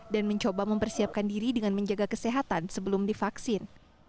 dan mencoba mempersiapkan diri dengan menjaga kesehatan sebelum divaksin